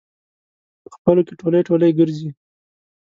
په خپلو کې ټولی ټولی ګرځي.